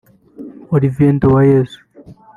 Olivier Nduwayezu